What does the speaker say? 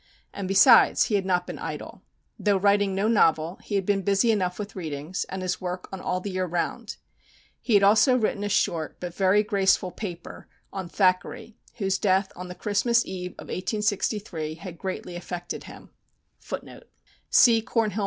And besides he had not been idle. Though writing no novel, he had been busy enough with readings, and his work on All the Year Round. He had also written a short, but very graceful paper on Thackeray, whose death, on the Christmas Eve of 1863, had greatly affected him.